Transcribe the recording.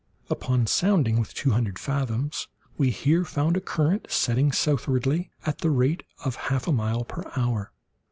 Upon sounding with two hundred fathoms, we here found a current setting southwardly at the rate of half a mile per hour.